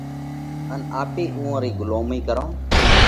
ان آپي اُوئون رئي ڳُلومئِي ڪرونه۔